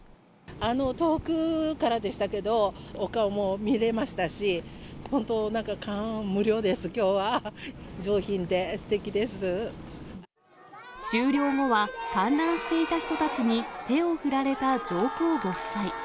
遠くからでしたけども、お顔も見れましたし、本当、なんか感無量です、きょうは、終了後は、観覧していた人たちに手を振られた上皇ご夫妻。